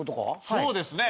そうですね。